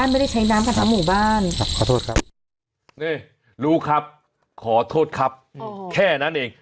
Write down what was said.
รู้ครับขอโทษครับแค่นั้นเอง